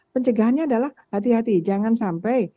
pencegahannya adalah hati hati